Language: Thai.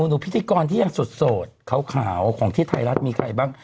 พิธีกรที่ยังสดขาวของที่ไทยรัฐมีใครบ้าง